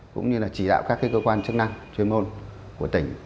cũng như là chỉ đạo các cơ quan chức năng chuyên môn của tỉnh